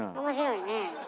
面白いね。